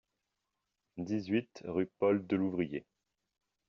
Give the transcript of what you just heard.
dix-huit rue Paul Delouvrier